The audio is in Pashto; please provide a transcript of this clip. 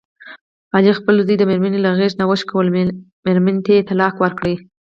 علي خپل زوی د مېرمني له غېږې نه وشکولو، مېرمنې ته یې طلاق ورکړ.